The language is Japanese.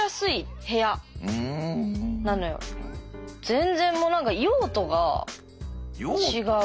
全然もう何か用途が違う。